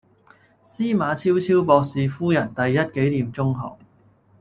司馬昭昭博士夫人第一紀念中學